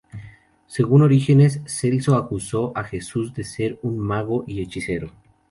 Según Orígenes, Celso acusó a Jesús de ser un mago y hechicero.